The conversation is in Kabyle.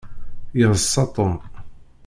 Yeḍsa Tom.